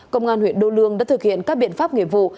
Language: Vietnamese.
công an huyện đô lương đã thực hiện các biện pháp nghiệp vụ